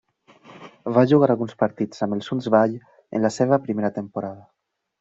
Va jugar alguns partits amb el Sundsvall en la seva primera temporada.